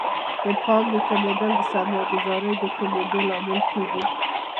د پانګې کمیدل د سرمایه ګذارۍ د کمیدا لامل کیږي.